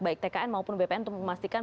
baik tkn maupun bpn untuk memastikan